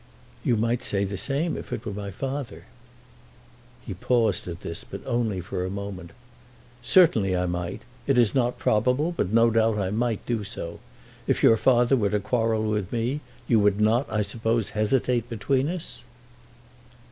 "You might say the same if it were my father." He paused at this, but only for a moment. "Certainly I might. It is not probable, but no doubt I might do so. If your father were to quarrel with me, you would not, I suppose, hesitate between us?"